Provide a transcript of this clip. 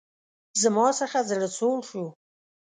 زما څخه زړه سوړ شو.